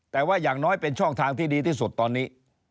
แต่ว่าอย่างน้อยเป็นช่องทางที่ดีที่สุดตอนนี้